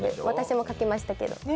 私も書きましたけど。